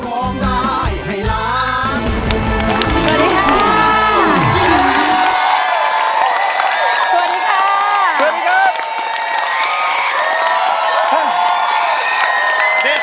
สวัสดีค่ะ